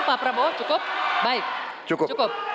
pak prabowo cukup baik cukup